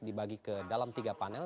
dibagi ke dalam tiga panel